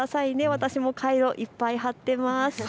私もカイロいっぱい貼っています。